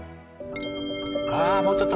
ああもうちょっと！